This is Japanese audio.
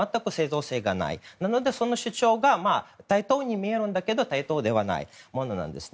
なので、その主張が対等に見えるんだけど対等ではないものなんですね。